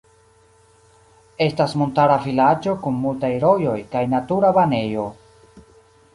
Estas montara vilaĝo kun multaj rojoj kaj natura banejo.